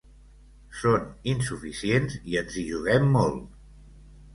Són insuficients i ens hi juguem molt!